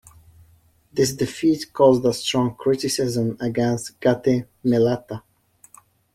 This defeat caused a strong criticism against Gattamelata.